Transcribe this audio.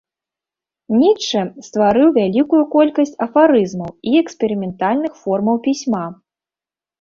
Ніцшэ стварыў вялікую колькасць афарызмаў і эксперыментальных формаў пісьма.